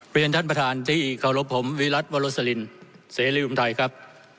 เรียนท่านประธานที่เคารพผมวิรัติวรสลินเสรีรวมไทยครับ